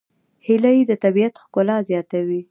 هیلۍ د طبیعت ښکلا زیاتوي